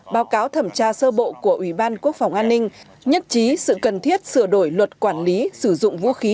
báo cáo thẩm tra sơ bộ của ủy ban quốc phòng an ninh nhất trí sự cần thiết sửa đổi luật quản lý sử dụng vũ khí